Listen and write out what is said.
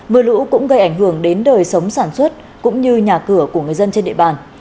mưa lũ cũng gây ảnh hưởng đến đời sống sản xuất cũng như nhà cửa của người dân trên địa bàn